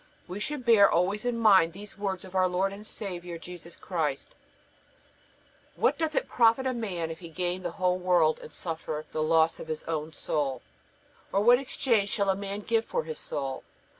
We should bear always in mind these words of our Lord and Saviour Jesus Christ: "What doth it profit a man if he gain the whole world and suffer the loss of his own soul, or what exchange shall a man give for his soul?